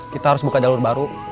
kita harus buka jalur baru